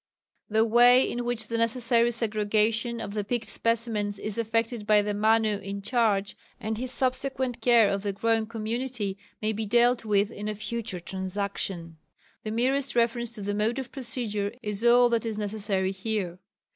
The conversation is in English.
The way in which the necessary segregation of the picked specimens is effected by the Manu in charge, and his subsequent care of the growing community, may be dealt with in a future Transaction. The merest reference to the mode of procedure is all that is necessary here.